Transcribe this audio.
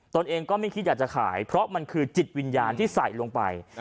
ตัวเองก็ไม่คิดอยากจะขายเพราะมันคือจิตวิญญาณที่ใส่ลงไป